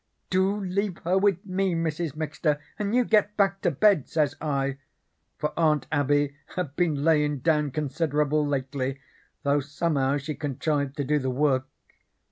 "'Do leave her with me, Mrs. Mixter, and you get back to bed,' says I, for Aunt Abby had been layin' down considerable lately, though somehow she contrived to do the work.